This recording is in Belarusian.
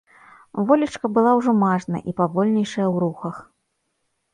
Волечка была ўжо мажная і павальнейшая ў рухах.